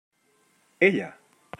Ella!